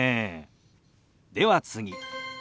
では次。